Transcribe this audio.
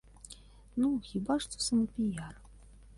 Ну, хіба што самапіяр.